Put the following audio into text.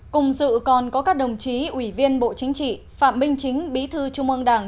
cùng dự còn có các đồng chí ủy viên bộ chính trị phạm minh chính bí thư trung ương đảng